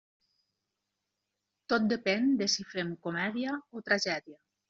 Tot depén de si fem comèdia o tragèdia.